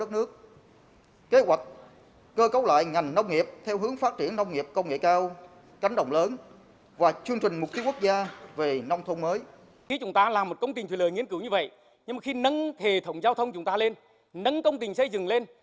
nâng hệ thống giao thông chúng ta lên nâng công tình xây dựng lên